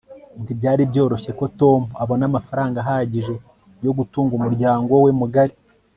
ntibyari byoroshye ko tom abona amafaranga ahagije yo gutunga umuryango we mugari